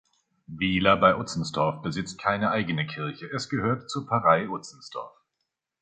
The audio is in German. Wiler bei Utzenstorf besitzt keine eigene Kirche, es gehört zur Pfarrei Utzenstorf.